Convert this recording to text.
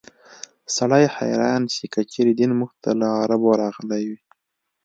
سړی حیران شي که چېرې دین موږ ته له عربو راغلی وي.